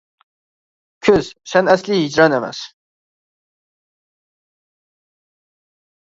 كۈز، سەن ئەسلى ھىجران ئەمەس!